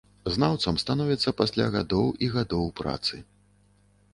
Знаўцам становяцца пасля гадоў і гадоў працы.